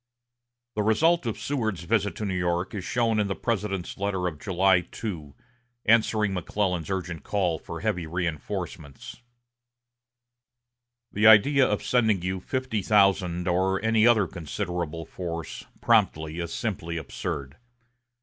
The result of Seward's visit to New York is shown in the President's letter of July 2, answering McClellan's urgent call for heavy reinforcements: "The idea of sending you fifty thousand, or any other considerable force, promptly, is simply absurd.